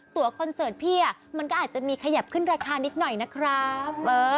คอนเสิร์ตพี่มันก็อาจจะมีขยับขึ้นราคานิดหน่อยนะครับ